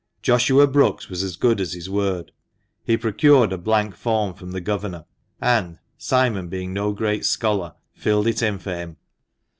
Joshua Brookes was as good as his word. He procured a blank form from the governor, and, Simon being no great scholar, filled it in for him.